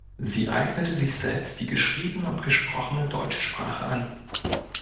Sie eignete sich selbst die geschriebene und gesprochene deutsche Sprache an.